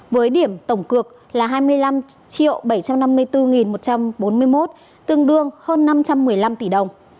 với điểm tổng cược là hai mươi năm bảy trăm năm mươi bốn một trăm bốn mươi một tương đương hơn năm trăm một mươi năm tỷ đồng